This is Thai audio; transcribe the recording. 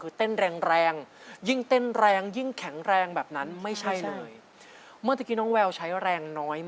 กรรมการนะพี่ไอ้ให้แววผ่านซื้อตัวเครื่องบินไปเก็บตัวเลย